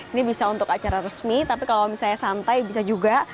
ini bisa untuk acara resmi tapi kalau misalnya santai bisa juga